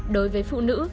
đối với phụ nữ